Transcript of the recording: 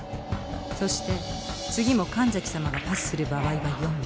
そして次も神崎さまがパスする場合は４枚。